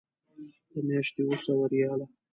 د میاشتې اوه سوه ریاله.